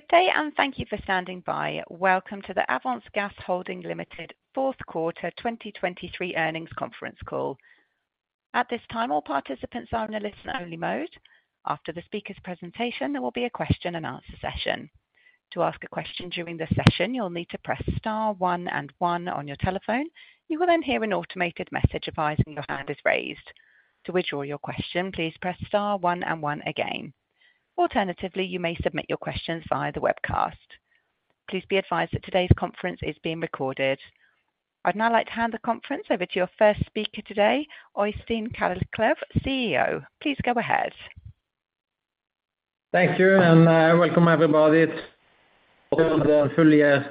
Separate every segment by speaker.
Speaker 1: Good day and thank you for standing by. Welcome to the Avance Gas Holding Limited Q4 2023 earnings conference call. At this time, all participants are in a listen-only mode. After the speaker's presentation, there will be a Q&A session. To ask a question during the session, you'll need to press star one and one on your telephone. You will then hear an automated message advising your hand is raised. To withdraw your question, please press star one and one again. Alternatively, you may submit your questions via the webcast. Please be advised that today's conference is being recorded. I'd now like to hand the conference over to your first speaker today, Øystein Kalleklev, CEO. Please go ahead.
Speaker 2: Thank you, and welcome everybody to the full year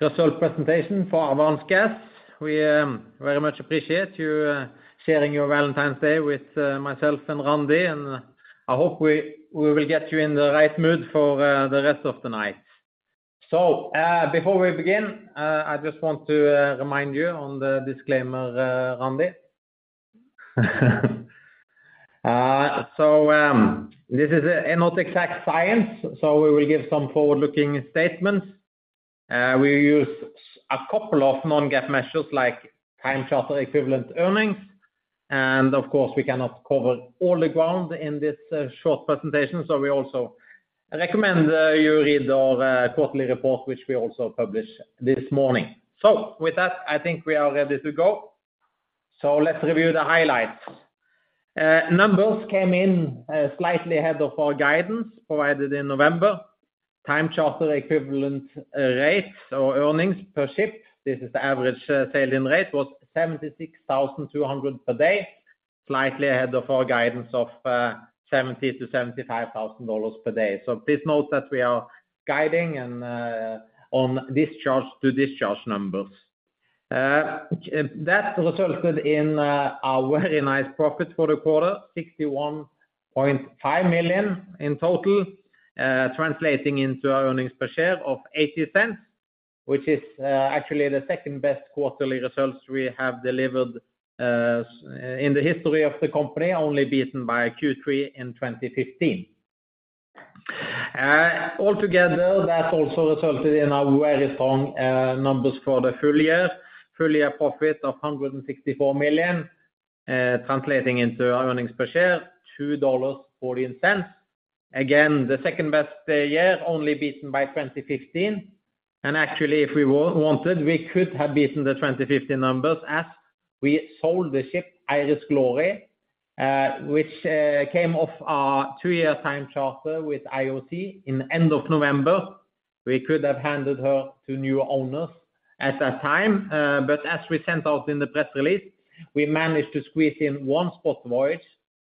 Speaker 2: result presentation for Avance Gas. We very much appreciate you sharing your Valentine's Day with myself and Randi, and I hope we will get you in the right mood for the rest of the night. So before we begin, I just want to remind you on the disclaimer, Randi? So this is not exact science, so we will give some forward-looking statements. We use a couple of non-GAAP measures like time charter equivalent earnings. And of course, we cannot cover all the ground in this short presentation, so we also recommend you read our quarterly report, which we also publish this morning. So with that, I think we are ready to go. So let's review the highlights. Numbers came in slightly ahead of our guidance provided in November. Time Charter Equivalent rate, or earnings per ship, this is the average sailing rate, was $76,200 per day, slightly ahead of our guidance of $70,000 to $75,000 per day. So please note that we are guiding on discharge-to-discharge numbers. That resulted in a very nice profit for the quarter, $61.5 million in total, translating into our earnings per share of $0.80, which is actually the second best quarterly results we have delivered in the history of the company, only beaten by Q3 in 2015. Altogether, that also resulted in very strong numbers for the full year. Full year profit of $164 million, translating into our earnings per share, $2.40. Again, the second best year, only beaten by 2015. Actually, if we wanted, we could have beaten the 2015 numbers as we sold the ship, Iris Glory, which came off our two-year time charter with IOT in the end of November. We could have handed her to new owners at that time. But as we sent out in the press release, we managed to squeeze in one spot voyage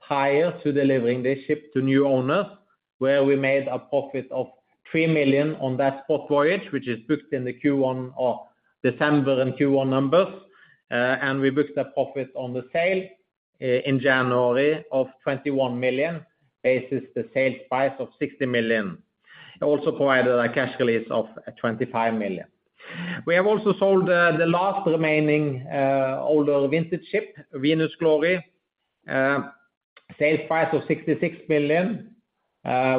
Speaker 2: prior to delivering the ship to new owners, where we made a profit of $3 million on that spot voyage, which is booked in the Q1 or December and Q1 numbers. And we booked a profit on the sale in January of $21 million, basis the sales price of $60 million, also provided a cash release of $25 million. We have also sold the last remaining older vintage ship, Venus Glory, sales price of $66 million,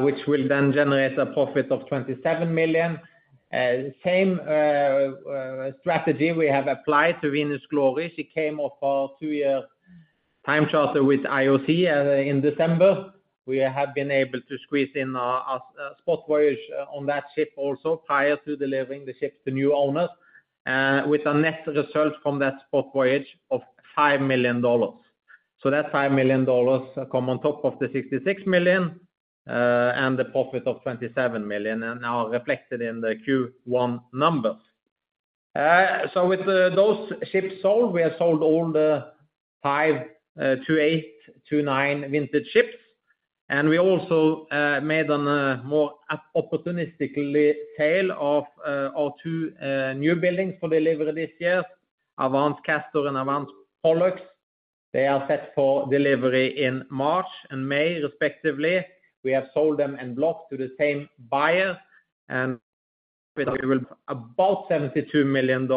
Speaker 2: which will then generate a profit of $27 million. Same strategy we have applied to Venus Glory. She came off our two year time charter with IOT in December. We have been able to squeeze in our spot voyage on that ship also prior to delivering the ship to new owners, with a net result from that spot voyage of $5 million. So that $5 million come on top of the $66 million and the profit of $27 million and now reflected in the Q1 numbers. So with those ships sold, we have sold all the 5 28, 29 vintage ships. And we also made a more opportunistic sale of our two new buildings for delivery this year, Avance Castor and Avance Pollux. They are set for delivery in March and May, respectively. We have sold them en bloc to the same buyer. And we will have about $72 million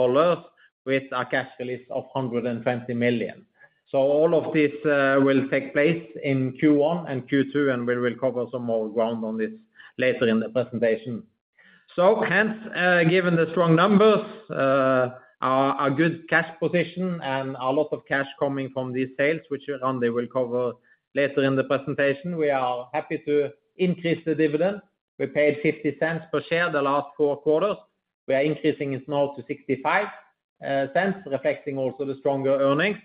Speaker 2: with a cash release of $120 million. So all of this will take place in Q1 and Q2, and we will cover some more ground on this later in the presentation. So hence, given the strong numbers, our good cash position, and a lot of cash coming from these sales, which Randi will cover later in the presentation, we are happy to increase the dividend. We paid $0.50 per share the last four quarters. We are increasing it now to $0.65, reflecting also the stronger earnings.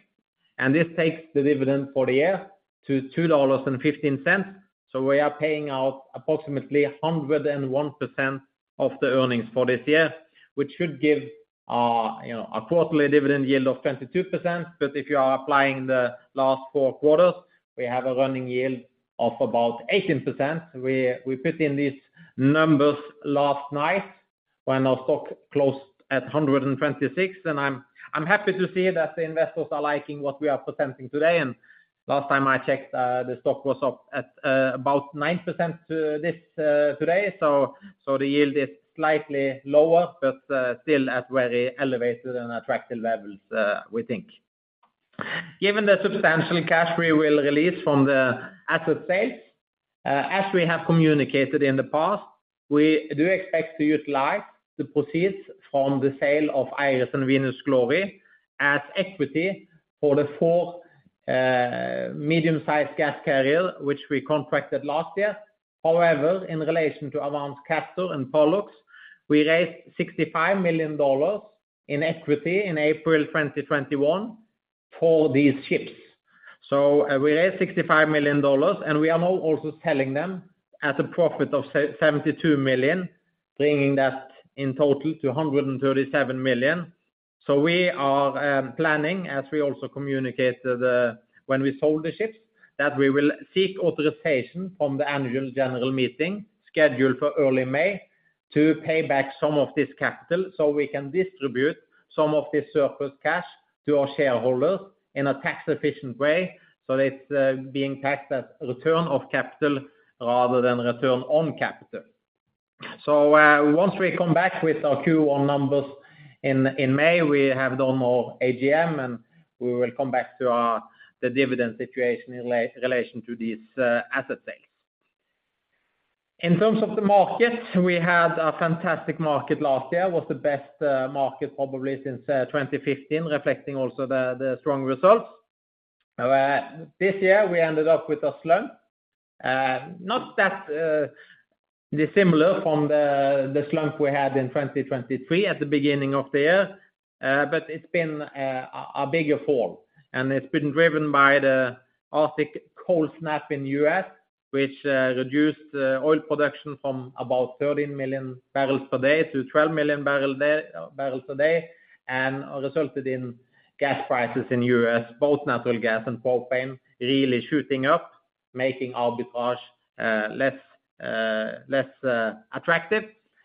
Speaker 2: And this takes the dividend for the year to $2.15. So we are paying out approximately 101% of the earnings for this year, which should give a quarterly dividend yield of 22%. But if you are applying the last four quarters, we have a running yield of about 18%. We put in these numbers last night when our stock closed at 126. I'm happy to see that the investors are liking what we are presenting today. Last time I checked, the stock was up at about 9% today. The yield is slightly lower, but still at very elevated and attractive levels, we think. Given the substantial cash we will release from the asset sales, as we have communicated in the past, we do expect to utilize the proceeds from the sale of Iris Glory and Venus Glory as equity for the four medium-sized gas carriers, which we contracted last year. However, in relation to Avance Castor and Pollux, we raised $65 million in equity in April 2021 for these ships. We raised $65 million, and we are now also selling them at a profit of $72 million, bringing that in total to $137 million. So we are planning, as we also communicated when we sold the ships, that we will seek authorization from the annual general meeting scheduled for early May to pay back some of this capital so we can distribute some of this surplus cash to our shareholders in a tax-efficient way. So it's being taxed as return of capital rather than return on capital. So once we come back with our Q1 numbers in May, we have done our AGM, and we will come back to the dividend situation in relation to these asset sales. In terms of the market, we had a fantastic market last year. It was the best market probably since 2015, reflecting also the strong results. This year, we ended up with a slump, not that dissimilar from the slump we had in 2023 at the beginning of the year. But it's been a bigger fall. It's been driven by the arctic cold snap in the U.S., which reduced oil production from about 13 million barrels per day to 12 million barrels a day and resulted in gas prices in the U.S., both natural gas and propane, really shooting up, making arbitrage less attractive.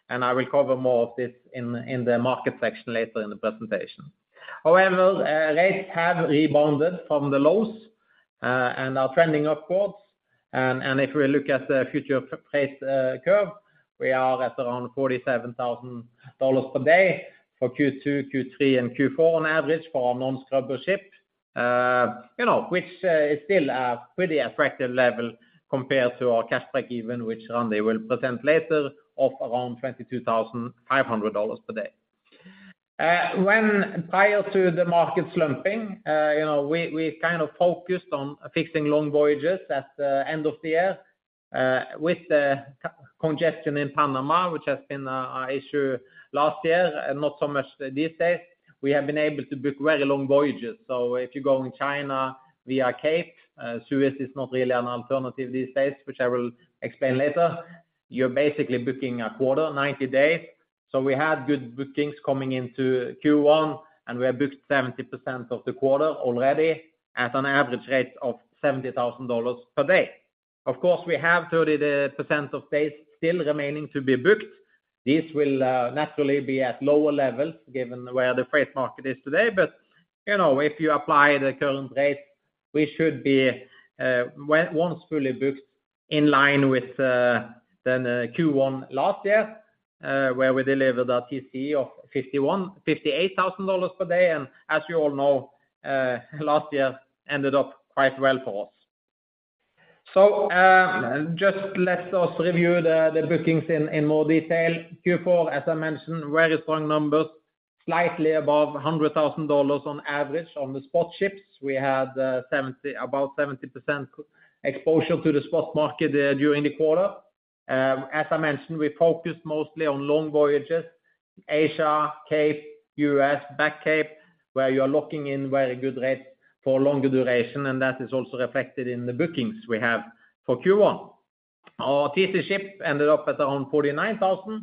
Speaker 2: I will cover more of this in the market section later in the presentation. However, rates have rebounded from the lows and are trending upwards. If we look at the future price curve, we are at around $47,000 per day for Q2, Q3, and Q4 on average for our non-scrubber ship, which is still a pretty attractive level compared to our cash break-even, which Randi will present later, of around $22,500 per day. Prior to the market slumping, we kind of focused on fixing long voyages at the end of the year. With the congestion in Panama, which has been an issue last year, not so much these days, we have been able to book very long voyages. So if you go in China via Cape, Suez is not really an alternative these days, which I will explain later. You're basically booking a quarter, 90 days. So we had good bookings coming into Q1, and we have booked 70% of the quarter already at an average rate of $70,000 per day. Of course, we have 30% of days still remaining to be booked. These will naturally be at lower levels given where the freight market is today. But if you apply the current rates, we should be once fully booked in line with the Q1 last year, where we delivered a TCE of $58,000 per day. And as you all know, last year ended up quite well for us. So just let us review the bookings in more detail. Q4, as I mentioned, very strong numbers, slightly above $100,000 on average on the spot ships. We had about 70% exposure to the spot market during the quarter. As I mentioned, we focused mostly on long voyages, Asia, Cape, U.S., back Cape, where you are locking in very good rates for a longer duration. And that is also reflected in the bookings we have for Q1. Our TC ship ended up at around $49,000,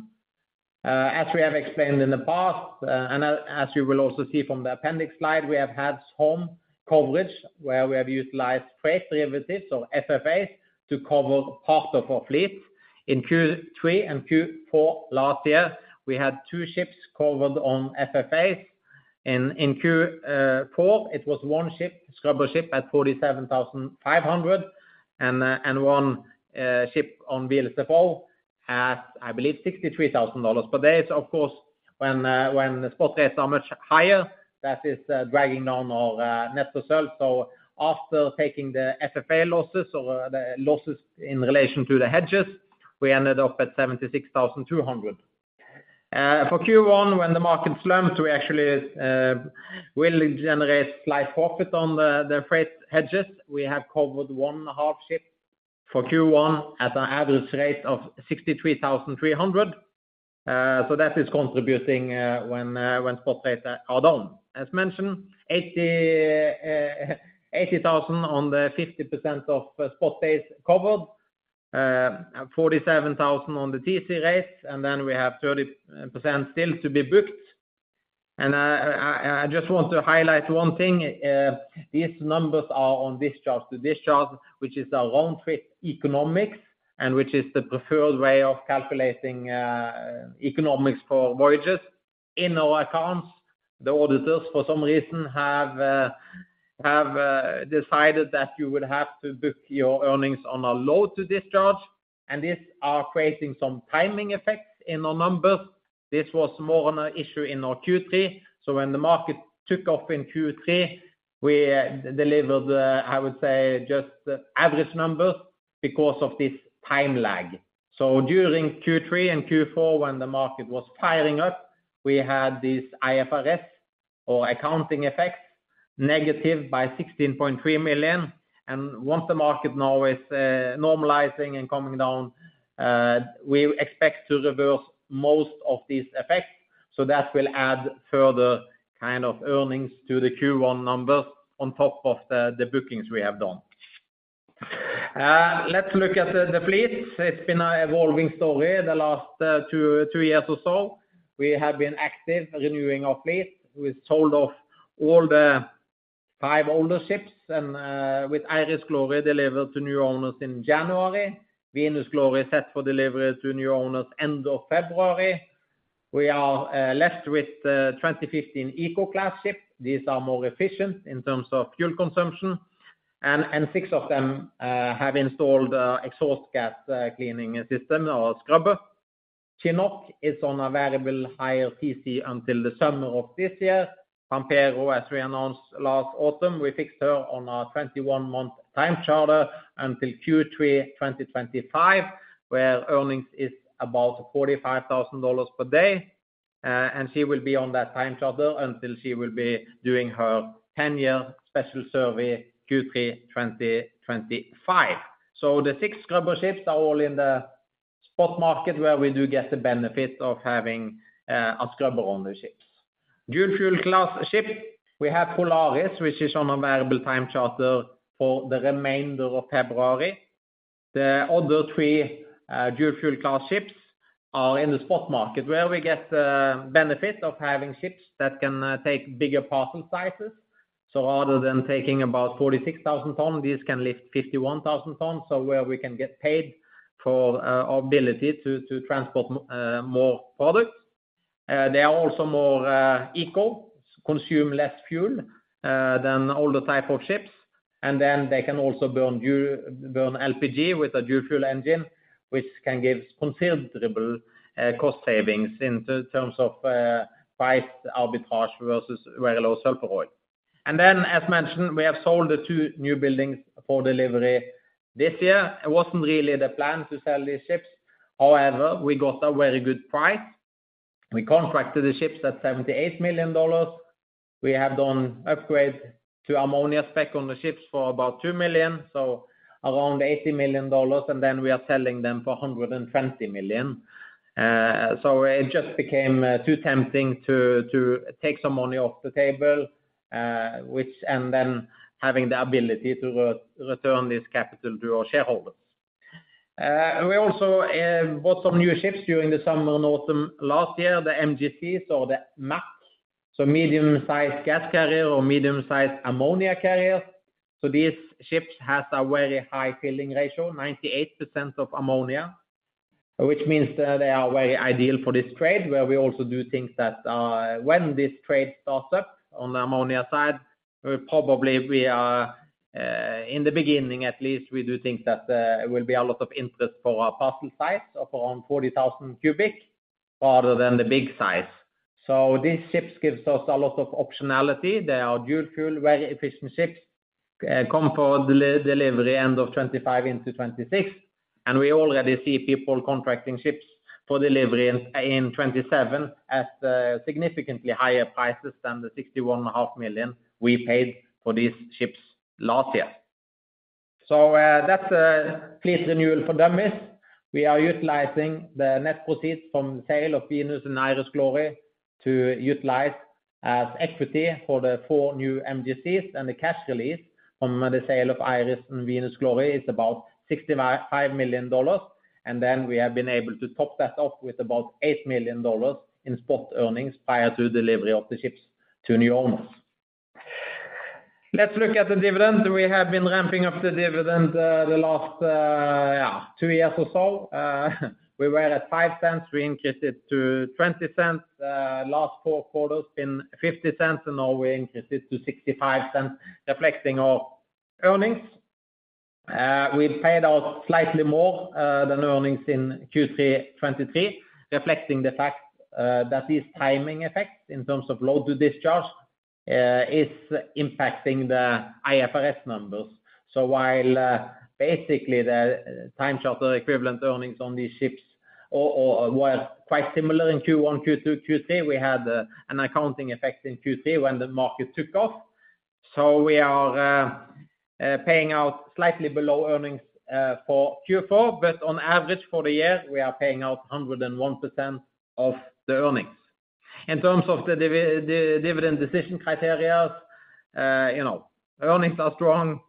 Speaker 2: as we have explained in the past. And as you will also see from the appendix slide, we have had hedge coverage, where we have utilized freight derivatives, or FFAs, to cover part of our fleet. In Q3 and Q4 last year, we had two ships covered on FFAs. In Q4, it was one scrubber ship at $47,500 and one ship on VLSFO at, I believe, $63,000 per day. Of course, when the spot rates are much higher, that is dragging down our net results. So after taking the FFA losses or the losses in relation to the hedges, we ended up at $76,200. For Q1, when the market slumped, we actually will generate slight profit on the freight hedges. We have covered one and a half ships for Q1 at an average rate of $63,300. So that is contributing when spot rates are down. As mentioned, $80,000 on the 50% of spot days covered, $47,000 on the TC rates. Then we have 30% still to be booked. I just want to highlight one thing. These numbers are on discharge-to-discharge, which is our round-trip economics and which is the preferred way of calculating economics for voyages. In our accounts, the auditors, for some reason, have decided that you would have to book your earnings on a load-to-discharge. This is creating some timing effects in our numbers. This was more an issue in our Q3. When the market took off in Q3, we delivered, I would say, just average numbers because of this time lag. During Q3 and Q4, when the market was firing up, we had these IFRS or accounting effects negative by $16.3 million. Once the market now is normalizing and coming down, we expect to reverse most of these effects. That will add further kind of earnings to the Q1 numbers on top of the bookings we have done. Let's look at the fleet. It's been an evolving story the last two years or so. We have been active renewing our fleet. We sold off all the five older ships and with Iris Glory delivered to new owners in January. Venus Glory is set for delivery to new owners end of February. We are left with the 2015 EcoClass ships. These are more efficient in terms of fuel consumption. And six of them have installed exhaust gas cleaning system or scrubber. Chinook is on a variable higher TC until the summer of this year. Pampero, as we announced last autumn, we fixed her on a 21-month time charter until Q3 2025, where earnings are about $45,000 per day. And she will be on that time charter until she will be doing her 10-year special survey Q3 2025. So the six scrubber ships are all in the spot market where we do get the benefit of having a scrubber on the ships. Dual-fuel class ship, we have Polaris, which is on a variable time charter for the remainder of February. The other three dual-fuel class ships are in the spot market where we get the benefit of having ships that can take bigger parcel sizes. So rather than taking about 46,000 tons, these can lift 51,000 tons, so where we can get paid for our ability to transport more products. They are also more eco, consume less fuel than older type of ships. And then they can also burn LPG with a dual-fuel engine, which can give considerable cost savings in terms of price arbitrage versus very low sulfur fuel oil. And then, as mentioned, we have sold the two new buildings for delivery this year. It wasn't really the plan to sell these ships. However, we got a very good price. We contracted the ships at $78 million. We have done upgrade to ammonia spec on the ships for about $2 million, so around $80 million. Then we are selling them for $120 million. So it just became too tempting to take some money off the table and then having the ability to return this capital to our shareholders. We also bought some new ships during the summer and autumn last year, the MGCs or the MAC, so medium-sized gas carrier or medium-sized ammonia carriers. So these ships have a very high filling ratio, 98% of ammonia, which means they are very ideal for this trade, where we also do think that when this trade starts up on the ammonia side, probably in the beginning, at least, we do think that there will be a lot of interest for our parcel size of around 40,000 cubic rather than the big size. So these ships give us a lot of optionality. They are dual fuel, very efficient ships, come for delivery end of 2025 into 2026. We already see people contracting ships for delivery in 2027 at significantly higher prices than the $61.5 million we paid for these ships last year. So that's a fleet renewal for Dummies. We are utilizing the net proceeds from the sale of Venus Glory and Iris Glory to utilize as equity for the four new MGCs. The cash release from the sale of Iris Glory and Venus Glory is about $65 million. Then we have been able to top that off with about $8 million in spot earnings prior to delivery of the ships to new owners. Let's look at the dividend. We have been ramping up the dividend the last two years or so. We were at $0.05. We increased it to $0.20. Last four quarters have been $0.50. Now we increased it to $0.65, reflecting our earnings. We paid out slightly more than earnings in Q3 2023, reflecting the fact that this timing effect in terms of load-to-discharge is impacting the IFRS numbers. While basically the time charter equivalent earnings on these ships were quite similar in Q1, Q2, Q3, we had an accounting effect in Q3 when the market took off. We are paying out slightly below earnings for Q4. On average for the year, we are paying out 101% of the earnings. In terms of the dividend decision criteria, earnings are strong.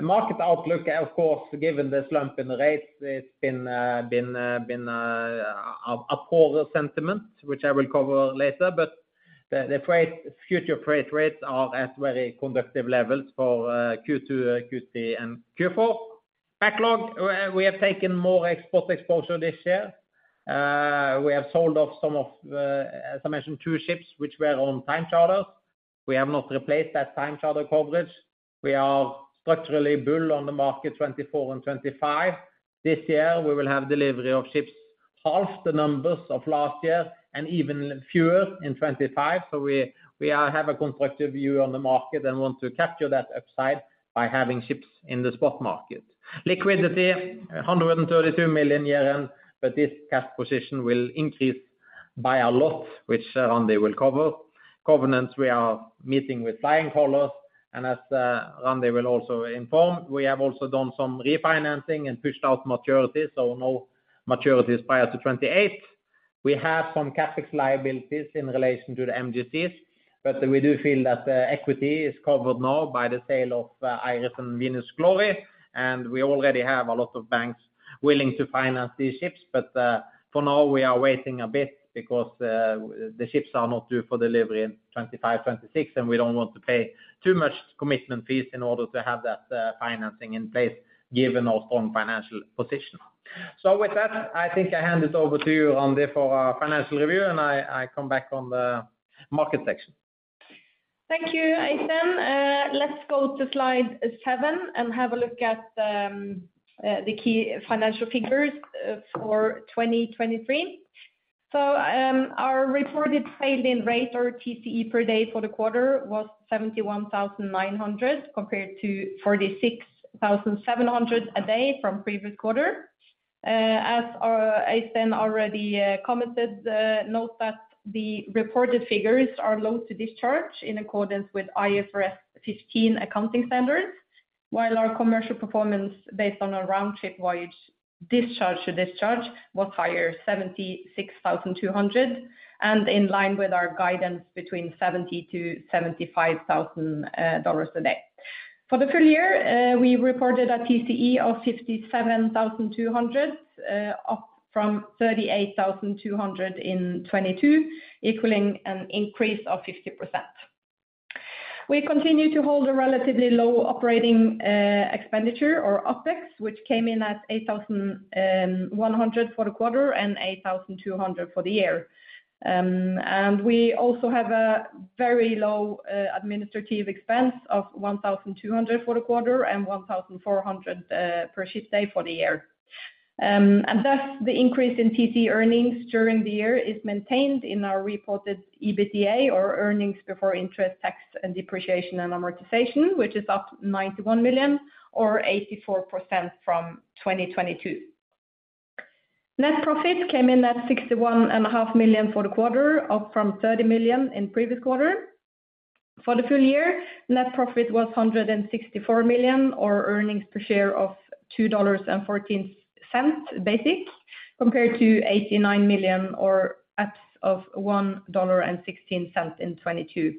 Speaker 2: Market outlook, of course, given the slump in the rates, it's been a poorer sentiment, which I will cover later. The future freight rates are at very conducive levels for Q2, Q3, and Q4. Backlog, we have taken more export exposure this year. We have sold off some of, as I mentioned, two ships, which were on time charters. We have not replaced that time charter coverage. We are structurally bull on the market 2024 and 2025. This year, we will have delivery of ships half the numbers of last year and even fewer in 2025. So we have a constructive view on the market and want to capture that upside by having ships in the spot market. Liquidity, 132 million yen. But this cash position will increase by a lot, which Randi will cover. Covenants, we are meeting with flying colors. And as Randi will also inform, we have also done some refinancing and pushed out maturities, so no maturities prior to 2028. We have some CapEx liabilities in relation to the MGCs. We do feel that the equity is covered now by the sale of Iris Glory and Venus Glory. We already have a lot of banks willing to finance these ships. But for now, we are waiting a bit because the ships are not due for delivery in 2025, 2026. We don't want to pay too much commitment fees in order to have that financing in place given our strong financial position. With that, I think I hand it over to you, Randi, for our financial review. I come back on the market section.
Speaker 3: Thank you, Øystein. Let's go to slide seven and have a look at the key financial figures for 2023. Our reported freight rate, or TCE, per day for the quarter was $71,900 compared to $46,700 a day from previous quarter. As Øystein already commented, note that the reported figures are load-to-discharge in accordance with IFRS 15 accounting standards, while our commercial performance based on our round-trip voyage discharge-to-discharge was higher, $76,200, and in line with our guidance between $70,000 to $75,000 a day. For the full year, we reported a TCE of $57,200, up from $38,200 in 2022, equaling an increase of 50%. We continue to hold a relatively low operating expenditure, or OPEX, which came in at $8,100 for the quarter and $8,200 for the year. We also have a very low administrative expense of $1,200 for the quarter and $1,400 per ship day for the year. Thus, the increase in TC earnings during the year is maintained in our reported EBITDA, or earnings before interest, tax, and depreciation and amortization, which is up $91 million, or 84% from 2022. Net profit came in at $61.5 million for the quarter, up from $30 million in previous quarter. For the full year, net profit was $164 million, or earnings per share of $2.14 basic, compared to $89 million or EPS of $1.16 in 2022.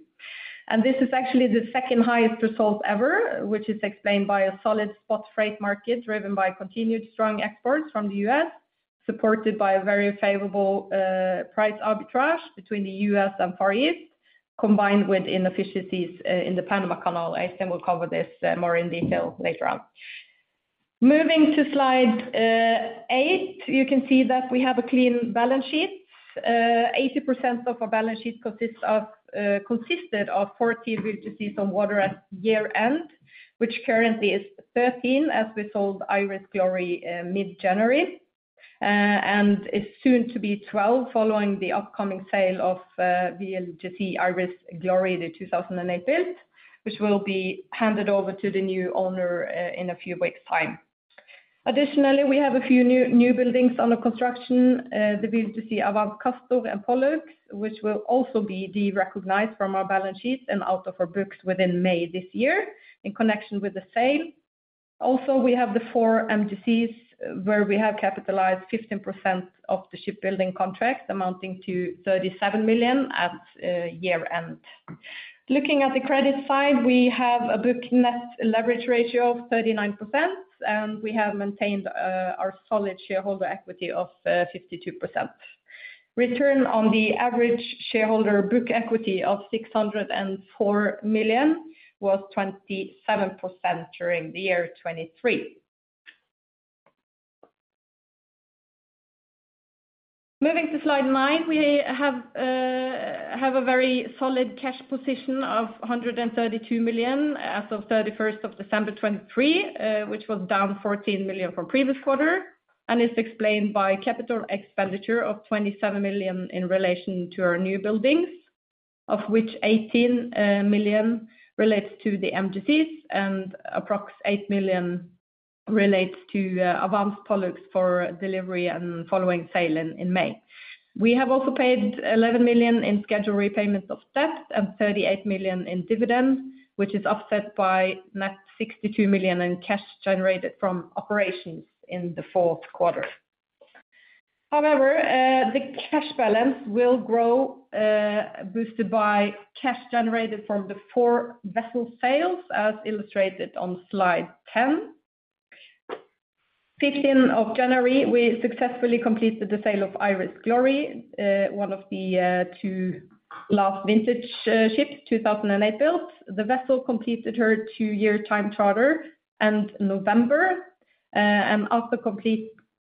Speaker 3: This is actually the second highest result ever, which is explained by a solid spot freight market driven by continued strong exports from the U.S., supported by a very favorable price arbitrage between the U.S. and Far East, combined with inefficiencies in the Panama Canal. Øystein will cover this more in detail later on. Moving to slide eight, you can see that we have a clean balance sheet. 80% of our balance sheet consisted of 14 VLGCs on water at year end, which currently is 13 as we sold Iris Glory mid-January, and is soon to be 12 following the upcoming sale of VLGC Avance Castor and Pollux, which will also be derecognized from our balance sheets and out of our books within May this year in connection with the sale. Also, we have the four MGCs where we have capitalized 15% of the shipbuilding contract amounting to $37 million at year end. Looking at the credit side, we have a book-net leverage ratio of 39%. We have maintained our solid shareholder equity of 52%. Return on the average shareholder book equity of $604 million was 27% during the year 2023. Moving to slide nine, we have a very solid cash position of $132 million as of 31 December 2023, which was down $14 million from previous quarter and is explained by capital expenditure of $27 million in relation to our new buildings, of which $18 million relates to the MGCs and approximately $8 million relates to Avance Pollux for delivery and following sale in May. We have also paid $11 million in scheduled repayments of debt and $38 million in dividend, which is offset by net $62 million in cash generated from operations in the Q4. However, the cash balance will grow boosted by cash generated from the four vessel sales, as illustrated on slide 10. January 15, we successfully completed the sale of Iris Glory, one of the two last vintage ships, 2008 built. The vessel completed her two-year time charter in November. After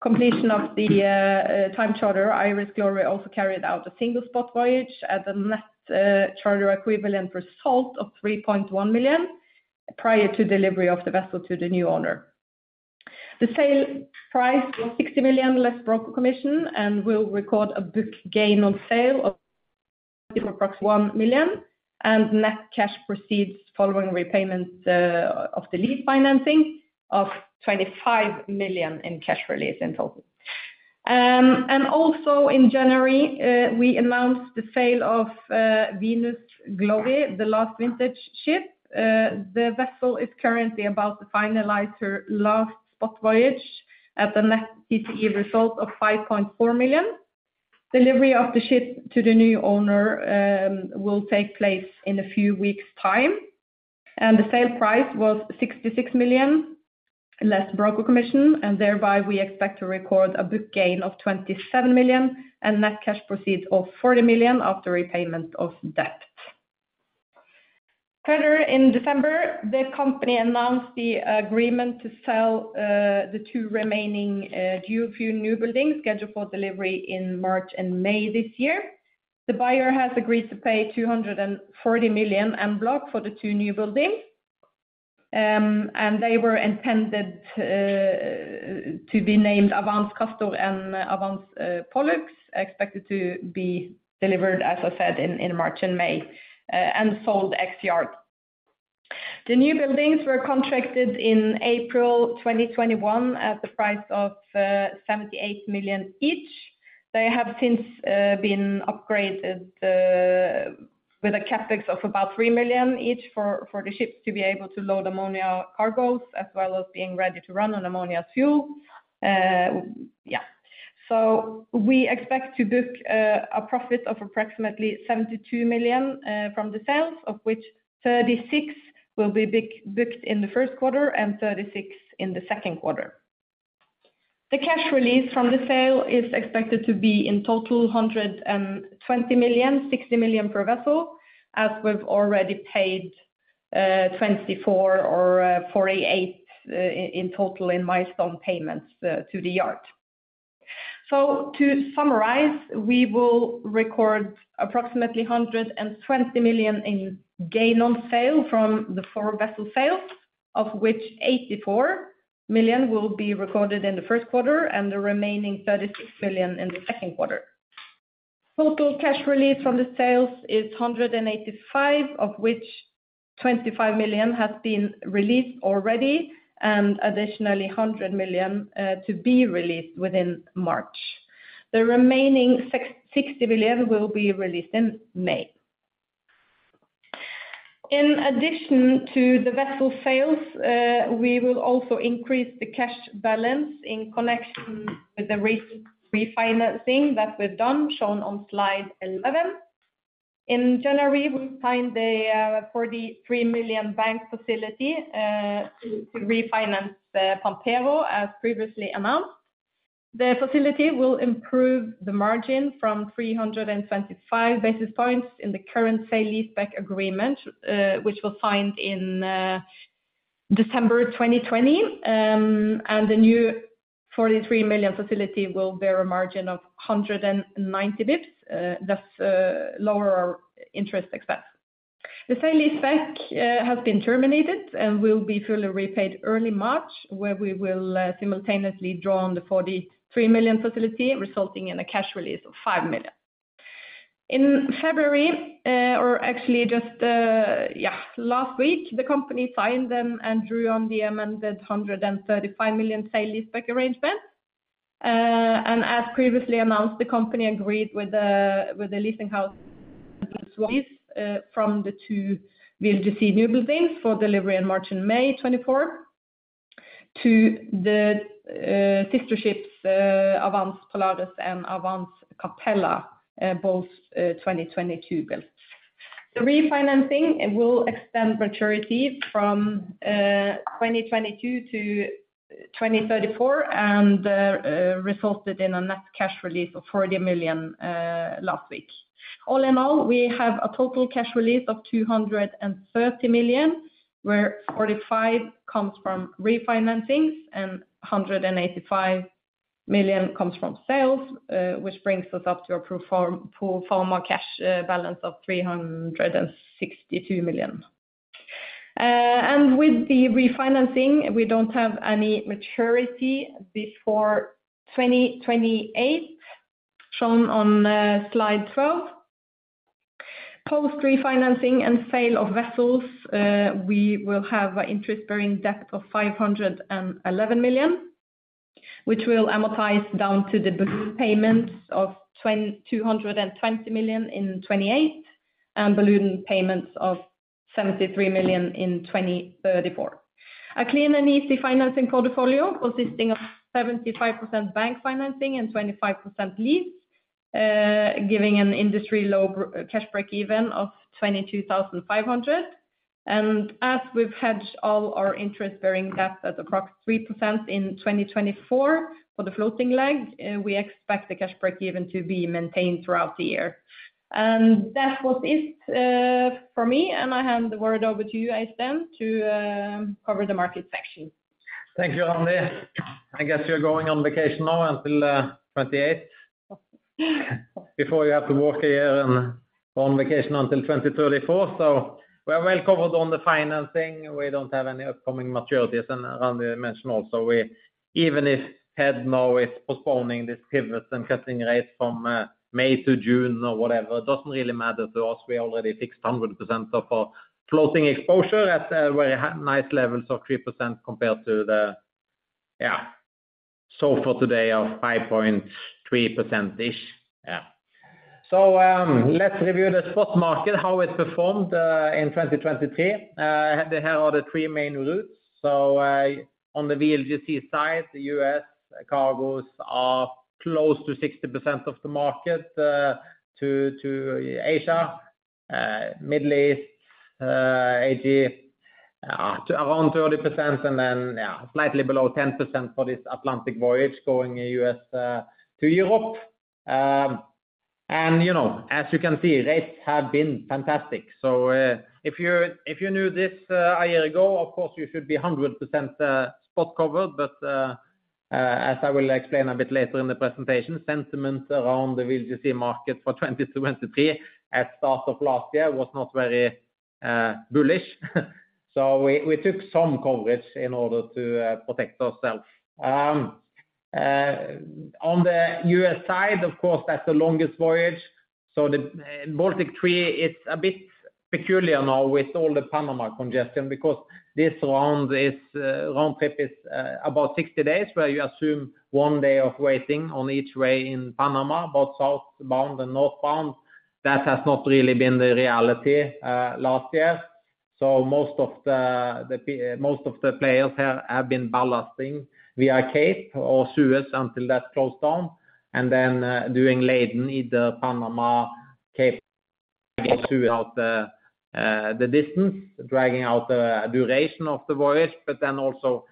Speaker 3: completion of the time charter, Iris Glory also carried out a single spot voyage at a net charter equivalent result of $3.1 million prior to delivery of the vessel to the new owner. The sale price was $60 million, less broker commission, and will record a book gain on sale of approximately $1 million. Net cash proceeds following repayments of the lease financing of $25 million in cash release in total. In January, we announced the sale of Venus Glory, the last vintage ship. The vessel is currently about to finalize her last spot voyage at a net TCE result of $5.4 million. Delivery of the ship to the new owner will take place in a few weeks' time. The sale price was $66 million, less broker commission. Thereby, we expect to record a book gain of $27 million and net cash proceeds of $40 million after repayment of debt. Further, in December, the company announced the agreement to sell the two remaining dual fuel new buildings scheduled for delivery in March and May this year. The buyer has agreed to pay $240 million en bloc for the two new buildings. They were intended to be named Avance Castor and Avance Pollux, expected to be delivered, as I said, in March and May, and sold ex yard. The new buildings were contracted in April 2021 at the price of $78 million each. They have since been upgraded with a CapEx of about $3 million each for the ships to be able to load ammonia cargoes as well as being ready to run on ammonia's fuel. Yeah. So we expect to book a profit of approximately $72 million from the sales, of which $36 million will be booked in the Q1 and $36 million in the Q2. The cash release from the sale is expected to be in total $120 million, $60 million per vessel, as we've already paid $24 million or $48 million in total in milestone payments to the yard. So to summarize, we will record approximately $120 million in gain on sale from the four vessel sales, of which $84 million will be recorded in the Q1 and the remaining $36 million in the Q2. Total cash release from the sales is $185 million, of which $25 million has been released already and additionally $100 million to be released within March. The remaining $60 million will be released in May. In addition to the vessel sales, we will also increase the cash balance in connection with the refinancing that we've done, shown on slide 11. In January, we'll fund the $43 million bank facility to refinance Pampero, as previously announced. The facility will improve the margin from 325 basis points in the current sale-leaseback agreement, which was signed in December 2020. The new $43 million facility will bear a margin of 190 basis points, thus lower our interest expense. The sale-leaseback has been terminated and will be fully repaid early March, where we will simultaneously draw on the $43 million facility, resulting in a cash release of $5 million. In February, or actually just last week, the company signed them and drew on the amended $135 million sale leaseback arrangement. As previously announced, the company agreed with the leasing house from the two VLGC new buildings for delivery in March and May 2024 to the sister ships, Avance Polaris and Avance Capella, both 2022 builds. The refinancing will extend maturity from 2022 to 2034 and resulted in a net cash release of $40 million last week. All in all, we have a total cash release of $230 million, where $45 million comes from refinancings and $185 million comes from sales, which brings us up to a pro forma cash balance of $362 million. With the refinancing, we don't have any maturity before 2028, shown on slide 12. Post refinancing and sale of vessels, we will have an interest-bearing debt of $511 million, which will amortize down to the balloon payments of $220 million in 2028 and balloon payments of $73 million in 2034. A clean and easy financing portfolio consisting of 75% bank financing and 25% lease, giving an industry-low cash break-even of 22,500. As we've hedged all our interest-bearing debt at approximately 3% in 2024 for the floating leg, we expect the cash break-even to be maintained throughout the year. That was it for me. I hand the word over to you, Øystein, to cover the market section.
Speaker 2: Thank you, Randi. I guess you're going on vacation now until 2028 before you have to work again and go on vacation until 2034. So we are well covered on the financing. We don't have any upcoming maturities. And Randi mentioned also, even if Fed now is postponing this pivot and cutting rates from May to June or whatever, it doesn't really matter to us. We already fixed 100% of our floating exposure at very nice levels of 3% compared to the, yeah, so far today of 5.3%-ish. Yeah. So let's review the spot market, how it performed in 2023. Here are the three main routes. So on the VLGC side, the U.S. cargoes are close to 60% of the market to Asia, Middle East, and Europe, around 30%, and then slightly below 10% for this Atlantic voyage going U.S. to Europe. And as you can see, rates have been fantastic. So if you knew this a year ago, of course, you should be 100% spot covered. But as I will explain a bit later in the presentation, sentiment around the VLGC market for 2023 at the start of last year was not very bullish. So we took some coverage in order to protect ourselves. On the U.S. side, of course, that's the longest voyage. So the Baltic route, it's a bit peculiar now with all the Panama congestion because this round trip is about 60 days, where you assume one day of waiting on each way in Panama, both southbound and northbound. That has not really been the reality last year. So most of the players here have been ballasting via Cape or Suez until that closed down and then doing loading, either Panama, Cape, or Suez. Out the distance, dragging out the duration of the voyage, but then also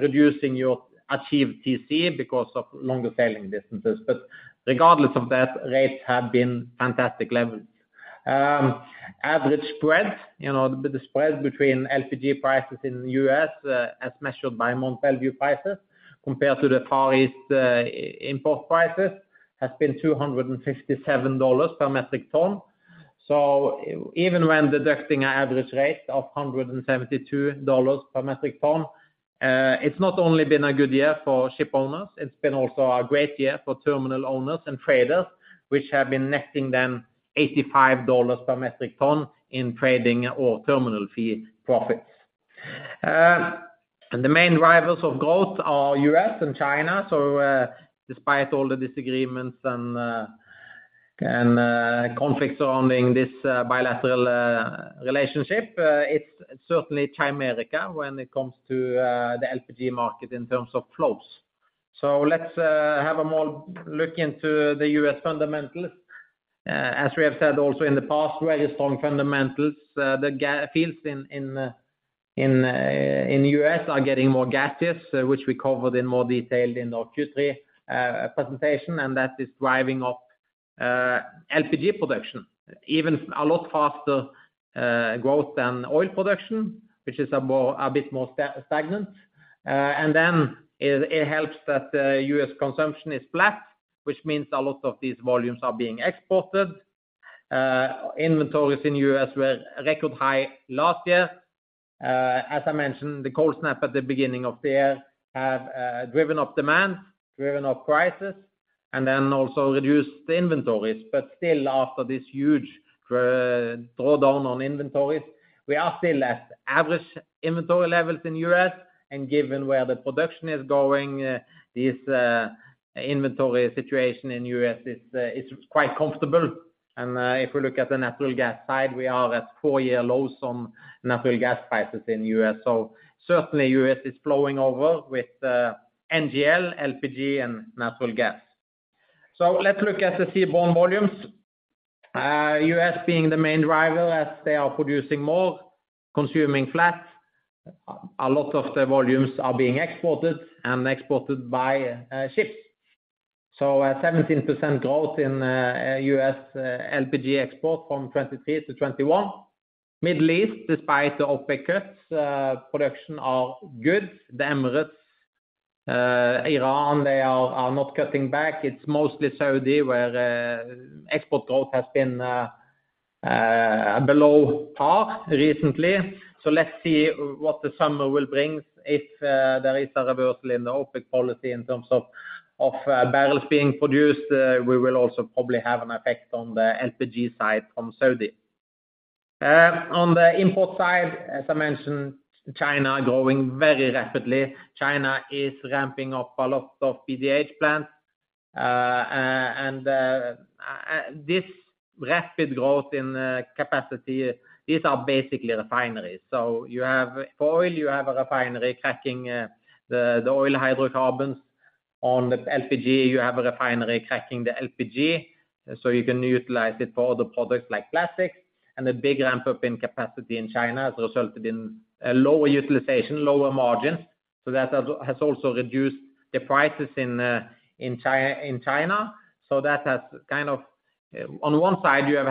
Speaker 2: reducing your achieved TC because of longer sailing distances. But regardless of that, rates have been fantastic levels. Average spread, the spread between LPG prices in the U.S., as measured by Mont Belvieu prices compared to the Far East import prices, has been $257 per metric ton. So even when deducting an average rate of $172 per metric ton, it's not only been a good year for ship owners, it's been also a great year for terminal owners and traders, which have been netting them $85 per metric ton in trading or terminal fee profits. The main drivers of growth are U.S. and China. So despite all the disagreements and conflicts surrounding this bilateral relationship, it's certainly China-America when it comes to the LPG market in terms of flows. So let's have a more look into the U.S. fundamentals. As we have said also in the past, very strong fundamentals. The fields in the U.S. are getting more gaseous, which we covered in more detail in our Q3 presentation. And that is driving up LPG production, even a lot faster growth than oil production, which is a bit more stagnant. And then it helps that U.S. consumption is flat, which means a lot of these volumes are being exported. Inventories in the U.S. were record high last year. As I mentioned, the cold snap at the beginning of the year has driven up demand, driven up prices, and then also reduced the inventories. But still, after this huge drawdown on inventories, we are still at average inventory levels in the U.S. And given where the production is going, this inventory situation in the U.S. is quite comfortable. If we look at the natural gas side, we are at four-year lows on natural gas prices in the U.S. So certainly, the U.S. is flowing over with NGL, LPG, and natural gas. So let's look at the seaborne volumes. U.S. being the main driver as they are producing more, consuming flat, a lot of the volumes are being exported and exported by ships. So 17% growth in U.S. LPG export from 2023 to 2021. Middle East, despite the OPEC cuts, production are good. The Emirates, Iran, they are not cutting back. It's mostly Saudi, where export growth has been below par recently. So let's see what the summer will bring. If there is a reversal in the OPEC policy in terms of barrels being produced, we will also probably have an effect on the LPG side from Saudi. On the import side, as I mentioned, China growing very rapidly. China is ramping up a lot of PDH plants. And this rapid growth in capacity, these are basically refineries. So you have for oil, you have a refinery cracking the oil hydrocarbons. On the LPG, you have a refinery cracking the LPG so you can utilize it for other products like plastics. And a big ramp-up in capacity in China has resulted in lower utilization, lower margins. So that has also reduced the prices in China. So that has kind of on one side, you have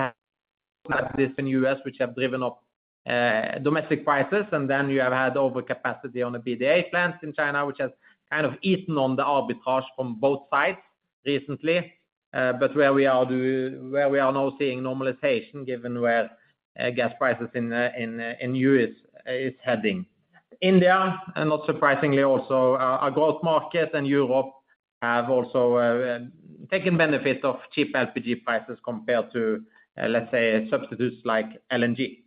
Speaker 2: had this in the U.S., which have driven up domestic prices. And then you have had overcapacity on the PDH plants in China, which has kind of eaten on the arbitrage from both sides recently. But where we are now seeing normalization, given where gas prices in the U.S. are heading. India, not surprisingly, also a growth market. Europe has also taken benefit of cheap LPG prices compared to, let's say, substitutes like LNG.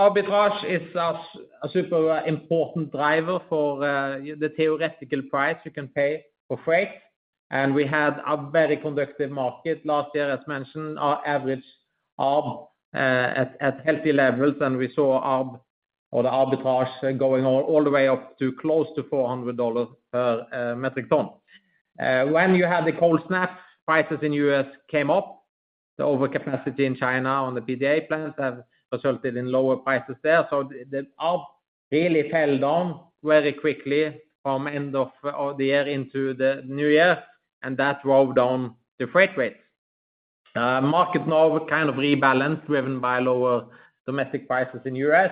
Speaker 2: Arbitrage is a super important driver for the theoretical price you can pay for freight. We had a very conducive market last year, as mentioned, our average arb at healthy levels. We saw arb or the arbitrage going all the way up to close to $400 per metric ton. When you had the cold snap, prices in the U.S. came up. The overcapacity in China on the PDH plants has resulted in lower prices there. The arb really fell down very quickly from the end of the year into the new year. That drove down the freight rates. Market now kind of rebalanced, driven by lower domestic prices in the U.S.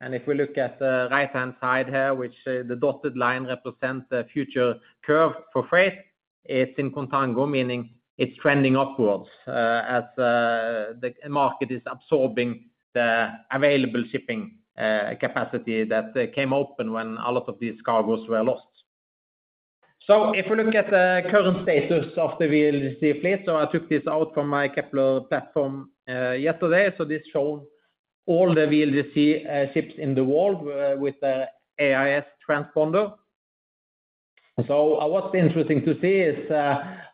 Speaker 2: If we look at the right-hand side here, which the dotted line represents the future curve for freight, it's in contango, meaning it's trending upwards as the market is absorbing the available shipping capacity that came open when a lot of these cargoes were lost. If we look at the current status of the VLGC fleet, so I took this out from my Kpler platform yesterday. What's interesting to see is,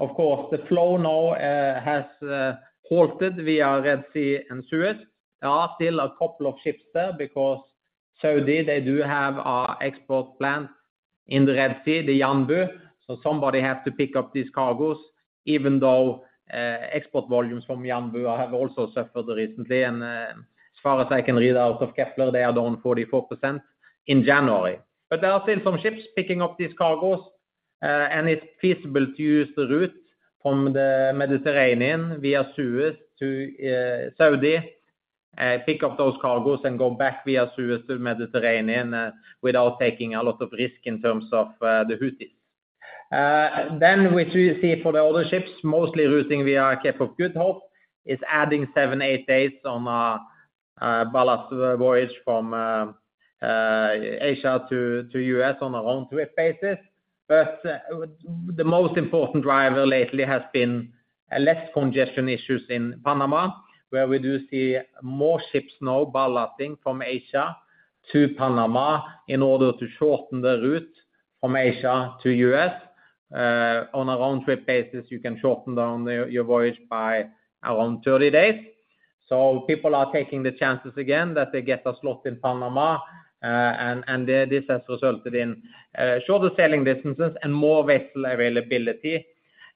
Speaker 2: of course, the flow now has halted via Red Sea and Suez. There are still a couple of ships there because Saudi, they do have an export plant in the Red Sea, the Yanbu. Somebody has to pick up these cargoes, even though export volumes from Yanbu have also suffered recently. As far as I can read out of Kepler, they are down 44% in January. There are still some ships picking up these cargoes. It's feasible to use the route from the Mediterranean via Suez to Saudi, pick up those cargoes, and go back via Suez to the Mediterranean without taking a lot of risk in terms of the Houthis. Then we see for the other ships, mostly routing via Cape of Good Hope, is adding seven to eight days on a ballast voyage from Asia to the U.S. on a round-trip basis. The most important driver lately has been less congestion issues in Panama, where we do see more ships now ballasting from Asia to Panama in order to shorten the route from Asia to the U.S. On a round-trip basis, you can shorten down your voyage by around 30 days. People are taking the chances again that they get a slot in Panama. This has resulted in shorter sailing distances and more vessel availability.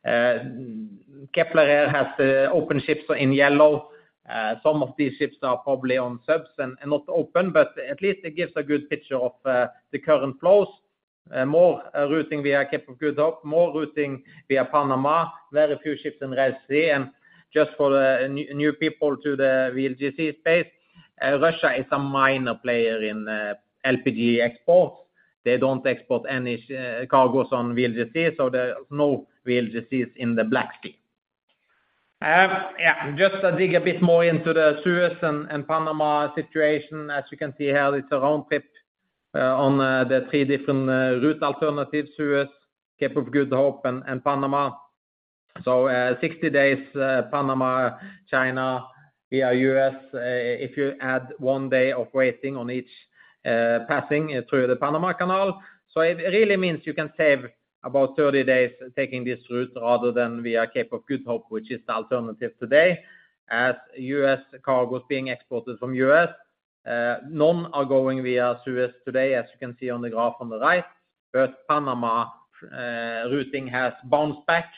Speaker 2: Kepler AIS has open ships in yellow. Some of these ships are probably on subs and not open. But at least it gives a good picture of the current flows. More routing via Cape of Good Hope, more routing via Panama, very few ships in Red Sea. Just for the new people to the VLGC space, Russia is a minor player in LPG exports. They don't export any cargoes on VLGC. So there's no VLGCs in the Black Sea. Yeah, just to dig a bit more into the Suez and Panama situation. As you can see here, it's a round-trip on the three different route alternatives: Suez, Cape of Good Hope, and Panama. 60 days, Panama, China, via U.S. If you add one day of waiting on each passing through the Panama Canal, so it really means you can save about 30 days taking this route rather than via Cape of Good Hope, which is the alternative today. As U.S. cargoes being exported from the U.S., none are going via Suez today, as you can see on the graph on the right. But Panama routing has bounced back.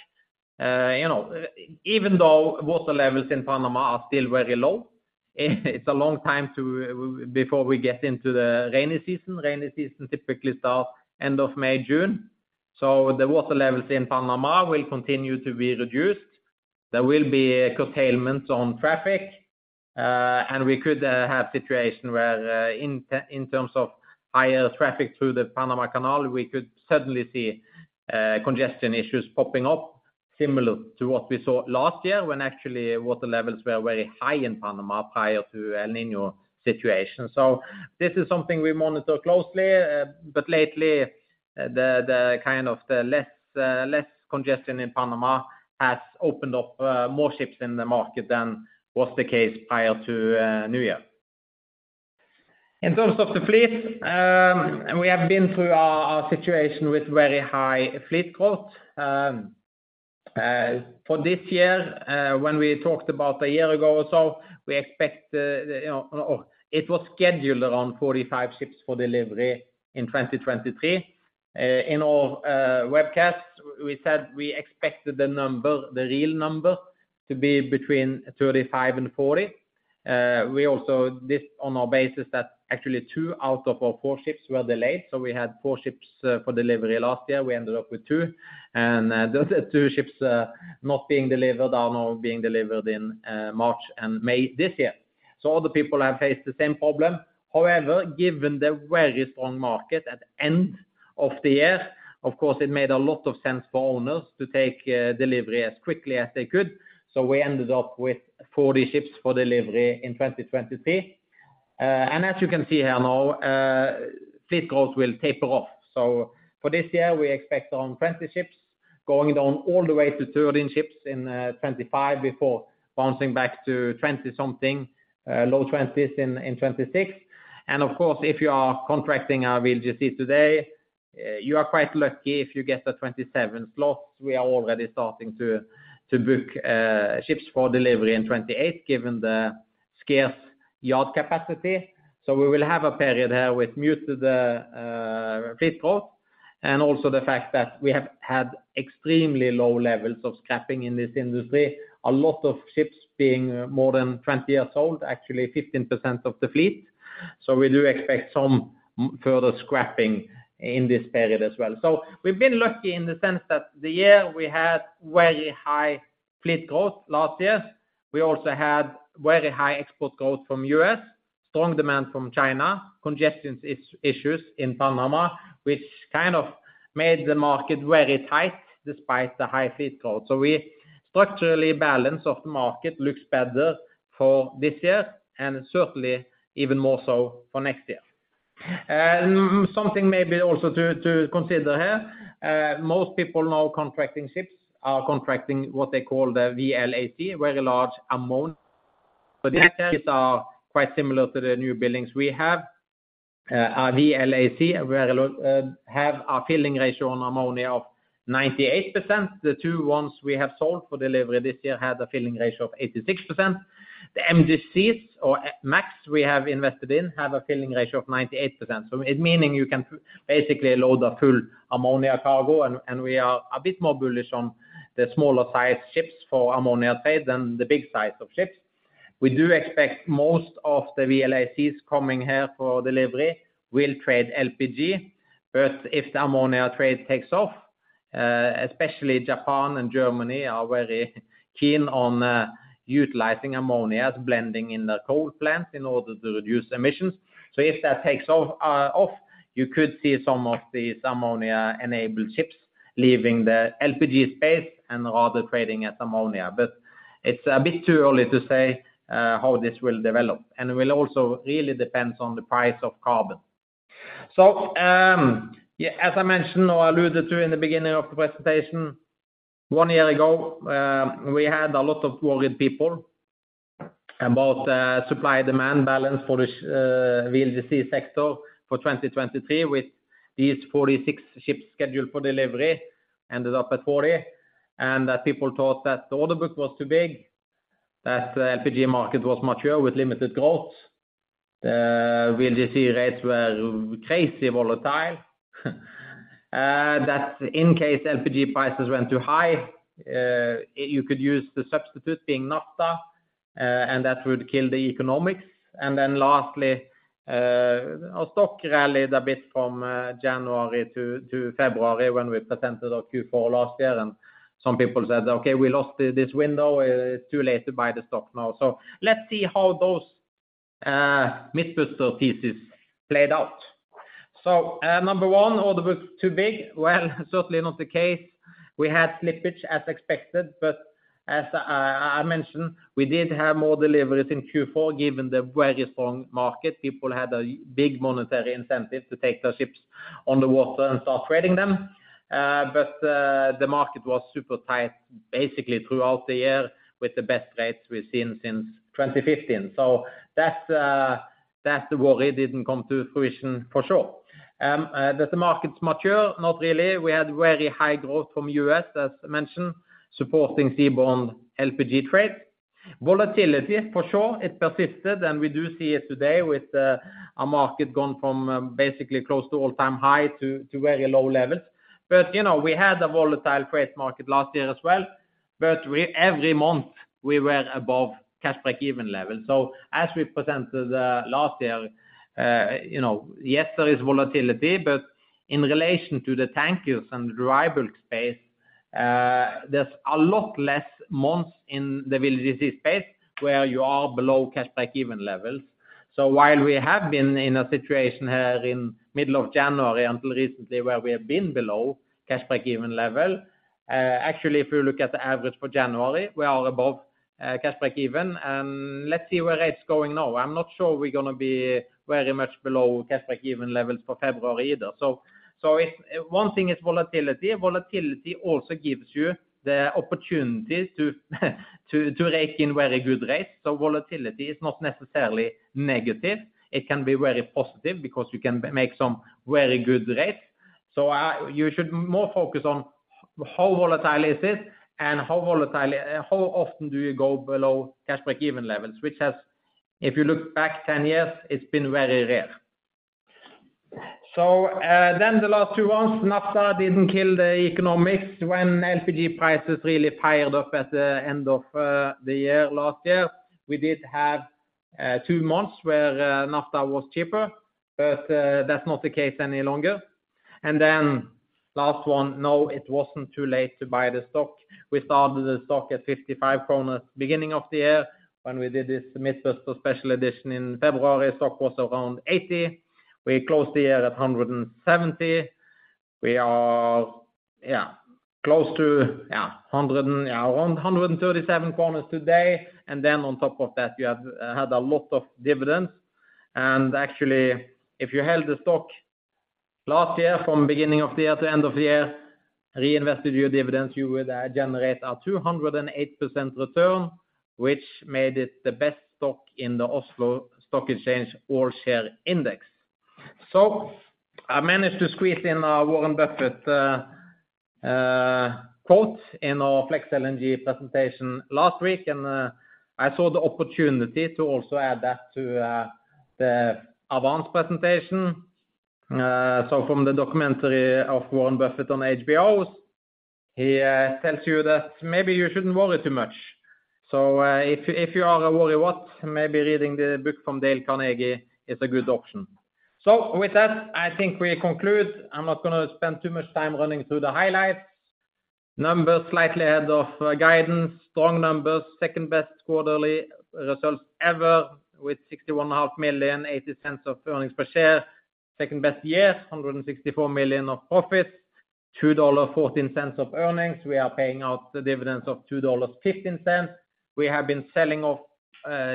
Speaker 2: Even though water levels in Panama are still very low, it's a long time before we get into the rainy season. Rainy season typically starts end of May, June. So the water levels in Panama will continue to be reduced. There will be curtailments on traffic. We could have a situation where, in terms of higher traffic through the Panama Canal, we could suddenly see congestion issues popping up, similar to what we saw last year when actually water levels were very high in Panama prior to El Niño situations. This is something we monitor closely. Lately, the kind of less congestion in Panama has opened up more ships in the market than was the case prior to New Year. In terms of the fleet, we have been through our situation with very high fleet growth. For this year, when we talked about a year ago or so, we expected it was scheduled around 45 ships for delivery in 2023. In our webcast, we said we expected the number, the real number, to be between 35 to 40. We also, on our basis, that actually two out of our four ships were delayed. So we had four ships for delivery last year. We ended up with two. And those two ships not being delivered are now being delivered in March and May this year. So other people have faced the same problem. However, given the very strong market at the end of the year, of course, it made a lot of sense for owners to take delivery as quickly as they could. So we ended up with 40 ships for delivery in 2023. And as you can see here now, fleet growth will taper off. So for this year, we expect around 20 ships going down all the way to 13 ships in 2025 before bouncing back to 20-something, low 20s in 2026. And of course, if you are contracting a VLGC today, you are quite lucky if you get a 27 slot. We are already starting to book ships for delivery in 2028, given the scarce yard capacity. So we will have a period here with muted fleet growth and also the fact that we have had extremely low levels of scrapping in this industry. A lot of ships being more than 20 years old, actually 15% of the fleet. So we do expect some further scrapping in this period as well. So we've been lucky in the sense that the year we had very high fleet growth last year. We also had very high export growth from the U.S., strong demand from China, congestion issues in Panama, which kind of made the market very tight despite the high fleet growth. So the structural balance of the market looks better for this year and certainly even more so for next year. Something maybe also to consider here. Most people now contracting ships are contracting what they call the VLAC, very large ammonia. So this. These are quite similar to the new buildings we have. VLAC, we have a filling ratio on ammonia of 98%. The two ones we have sold for delivery this year had a filling ratio of 86%. The MGCs or MACs we have invested in have a filling ratio of 98%. So it meaning you can basically load a full ammonia cargo. And we are a bit more bullish on the smaller-sized ships for ammonia trade than the big size of ships. We do expect most of the VLACs coming here for delivery will trade LPG. But if the ammonia trade takes off, especially Japan and Germany are very keen on utilizing ammonia as blending in their coal plants in order to reduce emissions. So if that takes off, you could see some of these ammonia-enabled ships leaving the LPG space and rather trading as ammonia. But it's a bit too early to say how this will develop. It will also really depend on the price of carbon. So as I mentioned or alluded to in the beginning of the presentation, one year ago, we had a lot of worried people about supply-demand balance for the VLGC sector for 2023 with these 46 ships scheduled for delivery ended up at 40. That people thought that the order book was too big, that the LPG market was mature with limited growth, the VLGC rates were crazy volatile, that in case LPG prices went too high, you could use the substitute being naphtha. And that would kill the economics. Then lastly, our stock rallied a bit from January to February when we presented our Q4 last year. Some people said, "OK, we lost this window. It's too late to buy the stock now." Let's see how those Mythbuster theses played out. Number one, order book too big? Well, certainly not the case. We had slippage as expected. As I mentioned, we did have more deliveries in Q4 given the very strong market. People had a big monetary incentive to take their ships underwater and start trading them. The market was super tight basically throughout the year with the best rates we've seen since 2015. That the worry didn't come to fruition for sure. That the market's mature? Not really. We had very high growth from the U.S., as mentioned, supporting seaborne LPG trade. Volatility, for sure, it persisted. We do see it today with our market gone from basically close to all-time high to very low levels. We had a volatile freight market last year as well. Every month, we were above Cash Break-even level. As we presented last year, yes, there is volatility. In relation to the tankers and the derivatives space, there's a lot less months in the VLGC space where you are below Cash Break-even levels. While we have been in a situation here in the middle of January until recently where we have been below Cash Break-even level, actually, if you look at the average for January, we are above Cash Break-even. Let's see where it's going now. I'm not sure we're going to be very much below Cash Break-even levels for February either. One thing is volatility. Volatility also gives you the opportunity to rake in very good rates. So volatility is not necessarily negative. It can be very positive because you can make some very good rates. So you should more focus on how volatile is it and how often do you go below cash break-even levels, which has, if you look back 10 years, it's been very rare. So then the last two months, naphtha didn't kill the economics. When LPG prices really fired up at the end of the year last year, we did have two months where naphtha was cheaper. But that's not the case any longer. And then last one, no, it wasn't too late to buy the stock. We started the stock at 55 kroner beginning of the year. When we did this Mintzmyer special edition in February, stock was around 80. We closed the year at 170. We are, yeah, close to around 137 corners today. And then on top of that, you had a lot of dividends. And actually, if you held the stock last year from beginning of the year to end of the year, reinvested your dividends, you would generate a 208% return, which made it the best stock in the Oslo Stock Exchange All Share Index. So I managed to squeeze in our Warren Buffett quote in our FlexLNG presentation last week. And I saw the opportunity to also add that to the Avance presentation. So from the documentary of Warren Buffett on HBO's, he tells you that maybe you shouldn't worry too much. So if you are a worrywart, maybe reading the book from Dale Carnegie is a good option. So with that, I think we conclude. I'm not going to spend too much time running through the highlights. Numbers slightly ahead of guidance, strong numbers, second-best quarterly results ever with $61.5 million, $0.80 of earnings per share, second-best year, $164 million of profits, $2.14 of earnings. We are paying out the dividends of $2.15. We have been selling off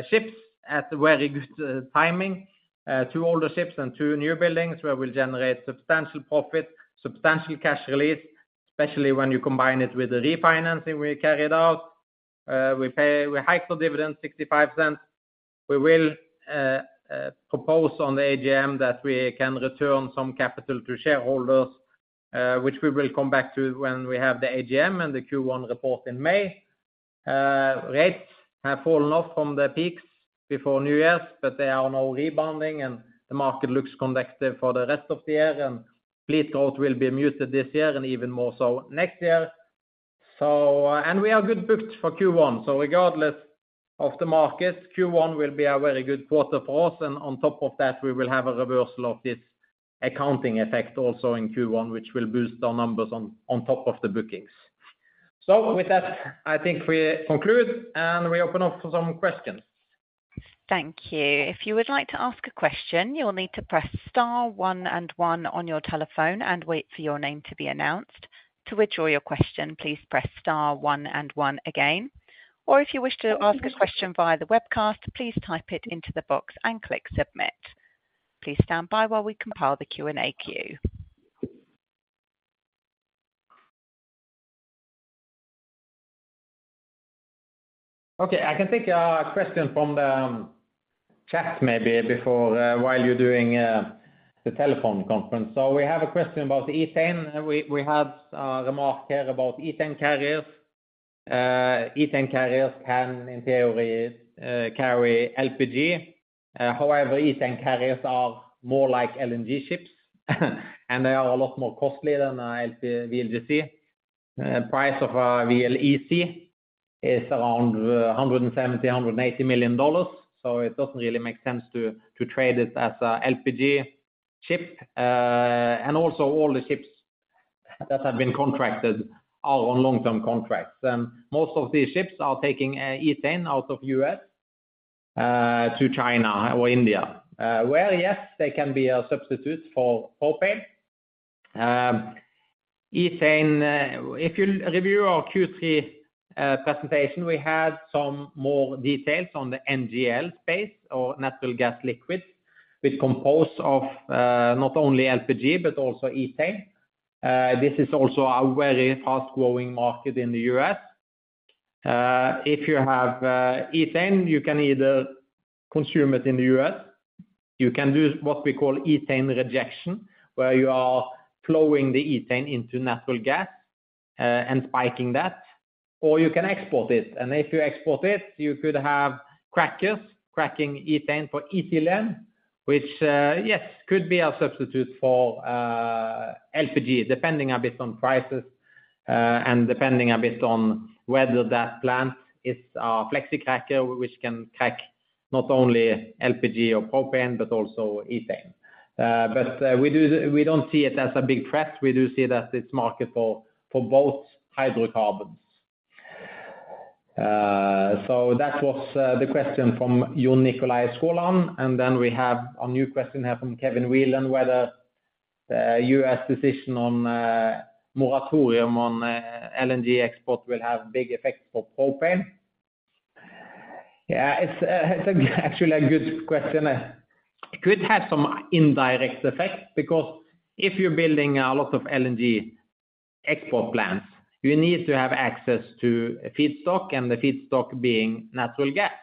Speaker 2: ships at very good timing, two older ships and two new buildings where we'll generate substantial profit, substantial cash release, especially when you combine it with the refinancing we carried out. We hiked the dividends, $0.65. We will propose on the AGM that we can return some capital to shareholders, which we will come back to when we have the AGM and the Q1 report in May. Rates have fallen off from the peaks before New Year's, but they are now rebounding. The market looks conducive for the rest of the year. Fleet growth will be muted this year and even more so next year. We are good booked for Q1. Regardless of the markets, Q1 will be a very good quarter for us. On top of that, we will have a reversal of this accounting effect also in Q1, which will boost our numbers on top of the bookings. With that, I think we conclude. We open up for some questions.
Speaker 1: Thank you. If you would like to ask a question, you will need to press star one and one on your telephone and wait for your name to be announced. To withdraw your question, please press star one and one again. Or if you wish to ask a question via the webcast, please type it into the box and click Submit. Please stand by while we compile the Q&A queue.
Speaker 2: OK, I can take a question from the chat maybe while you're doing the telephone conference. So we have a question about the Ethane. We had a remark here about Ethane carriers. Ethane carriers can, in theory, carry LPG. However, Ethane carriers are more like LNG ships. And they are a lot more costly than VLGC. The price of a VLEC is around $170 million to 180 million. So it doesn't really make sense to trade it as an LPG ship. And also, all the ships that have been contracted are on long-term contracts. And most of these ships are taking Ethane out of the U.S. to China or India, where, yes, they can be a substitute for propane. If you review our Q3 presentation, we had some more details on the NGL space or natural gas liquids, which compose of not only LPG but also Ethane. This is also a very fast-growing market in the U.S.. If you have Ethane, you can either consume it in the U.S. You can do what we call Ethane rejection, where you are flowing the Ethane into natural gas and spiking that. Or you can export it. And if you export it, you could have crackers cracking Ethane for Ethylene, which, yes, could be a substitute for LPG depending a bit on prices and depending a bit on whether that plant is a flexi-cracker, which can crack not only LPG or propane but also Ethane. But we don't see it as a big threat. We do see that it's a market for both hydrocarbons. So that was the question from Jon Nikolai Skåland. And then we have a new question here from Kevin Whelan, whether the U.S. decision on moratorium on LNG export will have big effects for propane. Yeah, it's actually a good question. It could have some indirect effect because if you're building a lot of LNG export plants, you need to have access to feedstock and the feedstock being natural gas.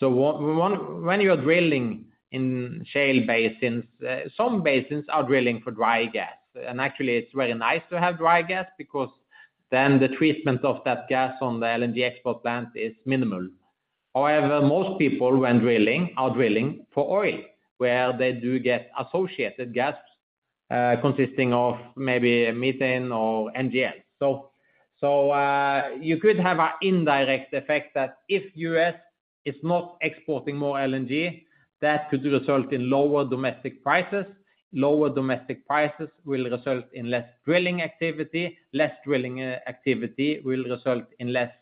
Speaker 2: So when you are drilling in shale basins, some basins are drilling for dry gas. And actually, it's very nice to have dry gas because then the treatment of that gas on the LNG export plant is minimal. However, most people, when drilling, are drilling for oil, where they do get associated gases consisting of maybe methane or NGLs. So you could have an indirect effect that if the U.S. is not exporting more LNG, that could result in lower domestic prices. Lower domestic prices will result in less drilling activity. Less drilling activity will result in less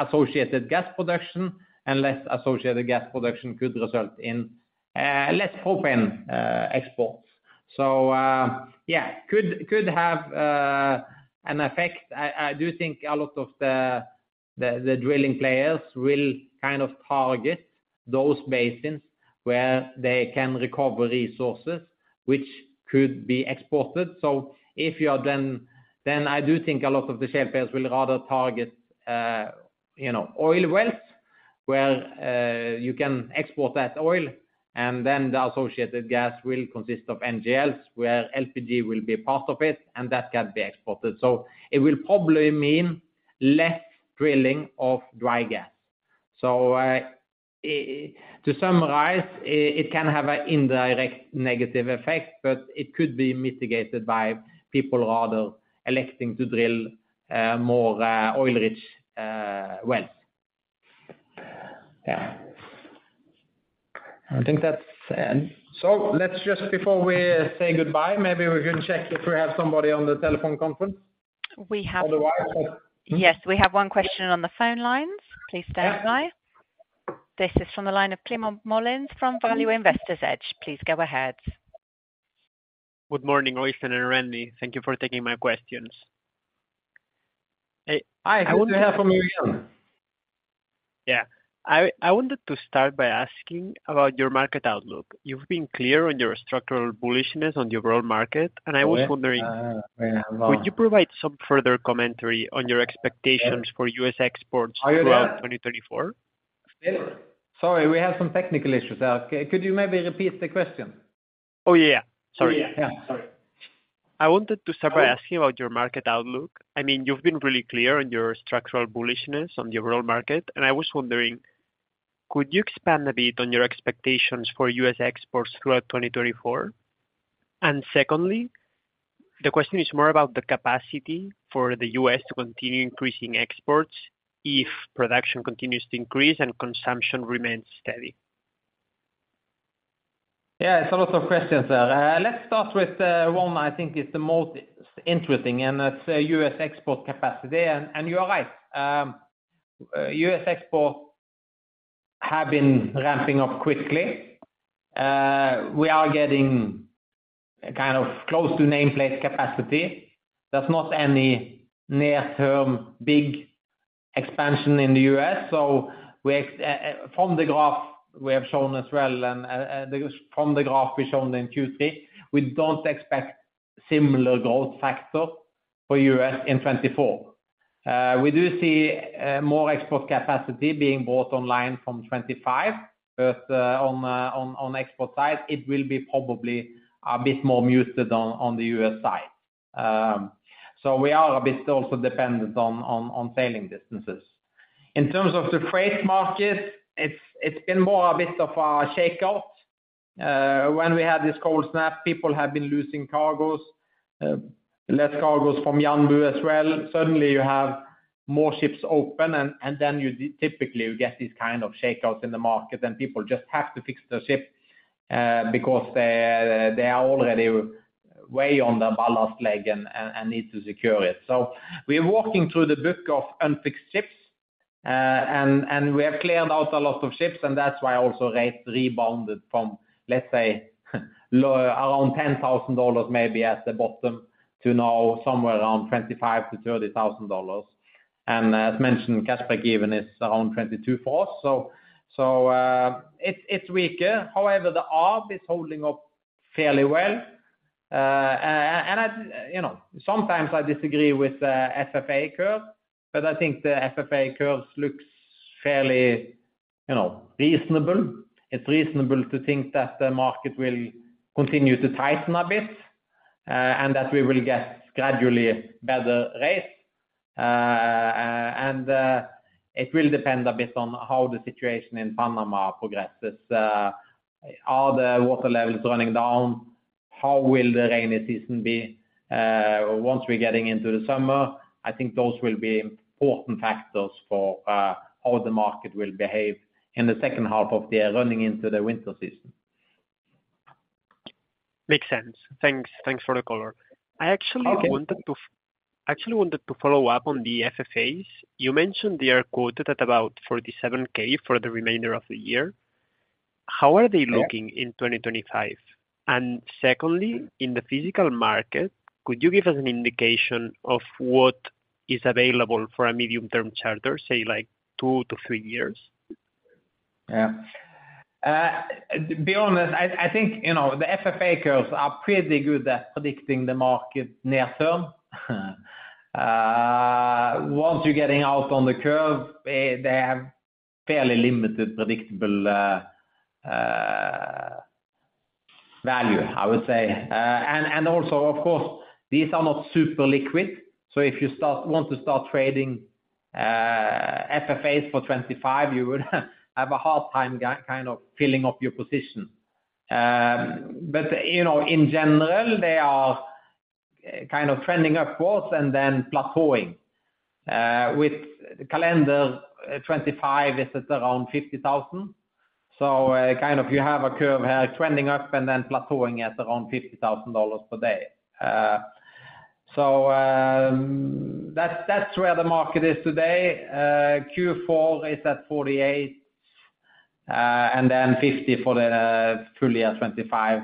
Speaker 2: associated gas production. And less associated gas production could result in less propane exports. So yeah, could have an effect. I do think a lot of the drilling players will kind of target those basins where they can recover resources, which could be exported. So if you are then I do think a lot of the shale players will rather target oil wells, where you can export that oil. And then the associated gas will consist of NGLs, where LPG will be part of it. And that can be exported. So it will probably mean less drilling of dry gas. So to summarize, it can have an indirect negative effect. But it could be mitigated by people rather electing to drill more oil-rich wells. Yeah. I think that's so let's just before we say goodbye, maybe we can check if we have somebody on the telephone conference.
Speaker 1: We have.
Speaker 2: Otherwise.
Speaker 1: Yes, we have one question on the phone lines. Please stand by. This is from the line of Climent Molins from Value Investor's Edge. Please go ahead.
Speaker 4: Good morning, Øystein and Randi. Thank you for taking my questions.
Speaker 2: Hi. I want to hear from you again.
Speaker 4: Yeah. I wanted to start by asking about your market outlook. You've been clear on your structural bullishness on the overall market. I was wondering, would you provide some further commentary on your expectations for U.S. exports throughout 2024?
Speaker 2: Sorry, we have some technical issues. Could you maybe repeat the question?
Speaker 4: Oh, yeah, yeah. Sorry.
Speaker 2: Yeah, sorry.
Speaker 4: I wanted to start by asking about your market outlook. I mean, you've been really clear on your structural bullishness on the overall market. And I was wondering, could you expand a bit on your expectations for U.S. exports throughout 2024? And secondly, the question is more about the capacity for the U.S. to continue increasing exports if production continues to increase and consumption remains steady.
Speaker 2: Yeah, it's a lot of questions there. Let's start with one. I think it's the most interesting. It's U.S. export capacity. You are right. U.S. exports have been ramping up quickly. We are getting kind of close to nameplate capacity. There's not any near-term big expansion in the U.S. From the graph we have shown as well and from the graph we showed in Q3, we don't expect a similar growth factor for the U.S. in 2024. We do see more export capacity being brought online from 2025. On the export side, it will be probably a bit more muted on the U.S. side. We are a bit also dependent on sailing distances. In terms of the freight market, it's been more a bit of a shakeout. When we had this cold snap, people have been losing cargoes, less cargoes from Yanbu as well. Suddenly, you have more ships open. Then typically, you get these kind of shakeouts in the market. And people just have to fix their ship because they are already way on their ballast leg and need to secure it. So we are walking through the book of unfixed ships. And we have cleared out a lot of ships. And that's why also rates rebounded from, let's say, around $10,000 maybe at the bottom to now somewhere around $25,000 to $30,000. And as mentioned, cash break-even is around $22,000 for us. So it's weaker. However, the ARB is holding up fairly well. And sometimes I disagree with the FFA curve. But I think the FFA curve looks fairly reasonable. It's reasonable to think that the market will continue to tighten a bit and that we will get gradually better rates. It will depend a bit on how the situation in Panama progresses. Are the water levels running down? How will the rainy season be once we're getting into the summer? I think those will be important factors for how the market will behave in the second half of the year running into the winter season.
Speaker 4: Makes sense. Thanks for the color. I actually wanted to follow up on the FFAs. You mentioned they are quoted at about $47,000 for the remainder of the year. How are they looking in 2025? And secondly, in the physical market, could you give us an indication of what is available for a medium-term charter, say, like two to three years?
Speaker 2: Yeah. To be honest, I think the FFA curves are pretty good at predicting the market near-term. Once you're getting out on the curve, they have fairly limited predictable value, I would say. And also, of course, these are not super liquid. So if you want to start trading FFAs for 2025, you would have a hard time kind of filling up your position. But in general, they are kind of trending upwards and then plateauing. With the calendar, 2025 is at around $50,000. So kind of you have a curve here trending up and then plateauing at around $50,000 per day. So that's where the market is today. Q4 is at $48,000 and then $50,000 for the full year 2025.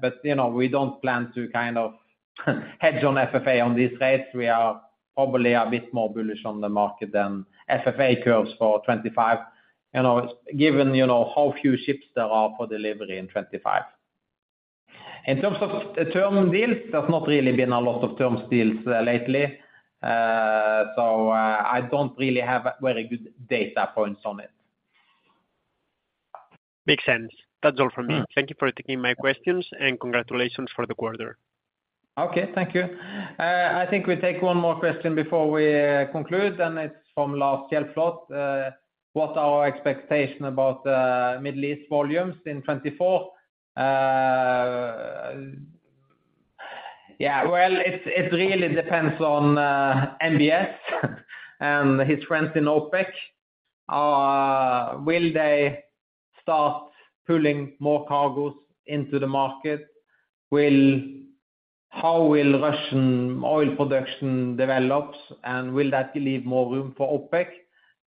Speaker 2: But we don't plan to kind of hedge on FFA on these rates. We are probably a bit more bullish on the market than FFA curves for 2025, given how few ships there are for delivery in 2025. In terms of term deals, there's not really been a lot of terms deals lately. So I don't really have very good data points on it.
Speaker 4: Makes sense. That's all from me. Thank you for taking my questions. Congratulations for the quarter.
Speaker 2: OK, thank you. I think we take one more question before we conclude. It's from Lars Schjelderup. What are our expectations about Middle East volumes in 2024? Yeah, well, it really depends on MBS and his friends in OPEC. Will they start pulling more cargoes into the market? How will Russian oil production develop? And will that leave more room for OPEC?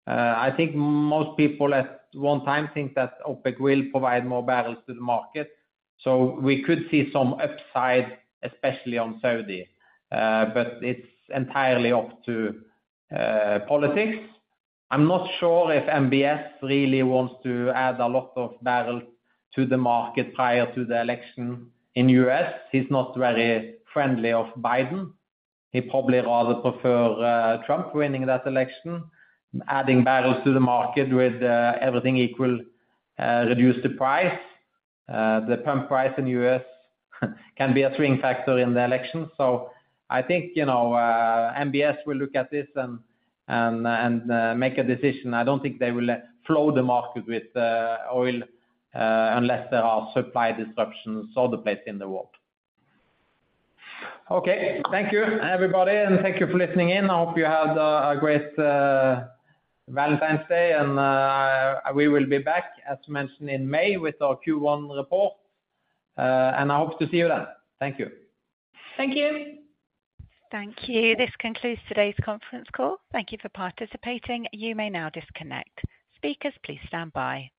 Speaker 2: I think most people at one time think that OPEC will provide more barrels to the market. So we could see some upside, especially on Saudi. But it's entirely up to politics. I'm not sure if MBS really wants to add a lot of barrels to the market prior to the election in the U.S. He's not very friendly with Biden. He probably rather prefers Trump winning that election, adding barrels to the market with everything equal, reduced the price. The pump price in the U.S. can be a swing factor in the election. So I think MBS will look at this and make a decision. I don't think they will flood the market with oil unless there are supply disruptions other places in the world. OK, thank you, everybody. Thank you for listening in. I hope you had a great Valentine's Day. We will be back, as mentioned, in May with our Q1 report. I hope to see you then. Thank you.
Speaker 3: Thank you.
Speaker 1: Thank you. This concludes today's conference call. Thank you for participating. You may now disconnect. Speakers, please stand by.